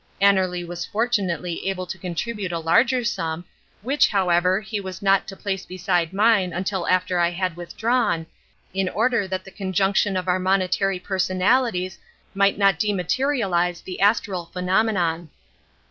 Annerly was fortunately able to contribute a larger sum, which, however, he was not to place beside mine until after I had withdrawn, in order that conjunction of our monetary personalities might not dematerialise the astral phenomenon.